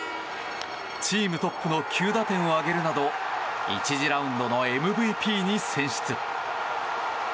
チームトップの９打点を挙げるなど１次ラウンドのＭＶＰに選出。